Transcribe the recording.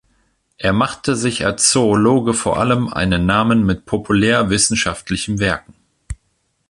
Er machte sich als Zoologe vor allem einen Namen mit populärwissenschaftlichen Werken.